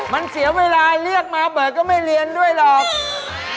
มันเสียเวลาเรียกมาเบิร์ตก็ไม่เรียนด้วยหรอก